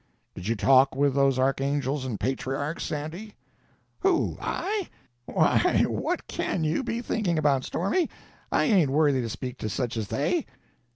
"Did you talk with those archangels and patriarchs, Sandy?" "Who—I? Why, what can you be thinking about, Stormy? I ain't worthy to speak to such as they."